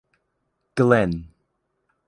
Glenn.